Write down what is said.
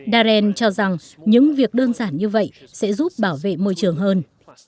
darren cho rằng những việc đơn giản như vậy sẽ giúp bảo vệ môi trường hơn